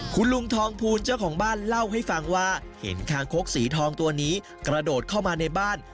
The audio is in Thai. คุณลุงทองภูลเจ้าของบ้านเล่าให้ฟังว่าเห็นคางคกสีทองตัวนี้กระโดดเข้ามาในบ้าน